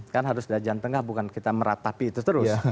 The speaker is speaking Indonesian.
kan harus dajan tengah bukan kita meratapi itu terus